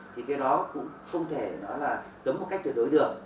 thì cái đó cũng không thể đó là tấm một cách tuyệt đối được